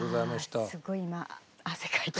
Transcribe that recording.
ああすごい今汗かいた。